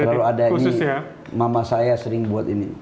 selalu ada ini mama saya sering buat ini